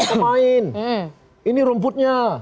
pemain ini rumputnya